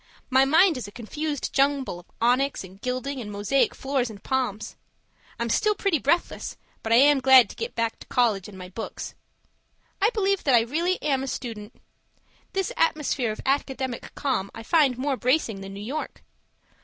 My mind is a confused jumble of onyx and gilding and mosaic floors and palms. I'm still pretty breathless but I am glad to get back to college and my books I believe that I really am a student; this atmosphere of academic calm I find more bracing than New York.